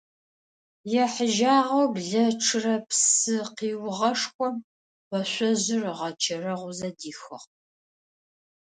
Ехьыжьагъэу блэчъырэ псы къиугъэшхом къошъожъыр ыгъэчэрэгъузэ дихыгъ.